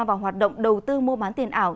vào hoạt động đầu tư mua bán tiền ảo